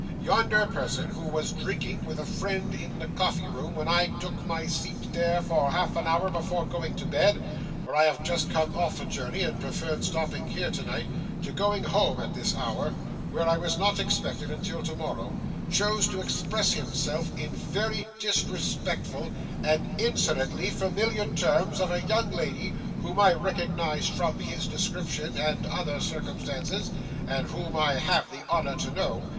Yonder person, who was drinking with a friend in the coffee room when I took my seat there for half an hour before going to bed, (for I have just come off a journey, and preferred stopping here tonight, to going home at this hour, where I was not expected until tomorrow,) chose to express himself in very disrespectful, and insolently familiar terms, of a young lady, whom I recognised from his description and other circumstances, and whom I have the honour to know.